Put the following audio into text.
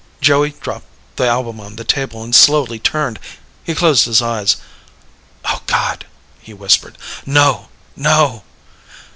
Joey dropped the album on the table and slowly turned. He closed his eyes. "Oh, God!" he whispered. "No! No!"